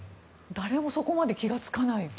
誰もそこまで気がつかない？